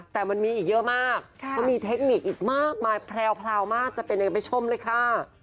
แต่มันมีอีกเยอะมากเขามีเทคนิคอีกมากมายแพรวมากจะเป็นยังไงไปชมเลยค่ะ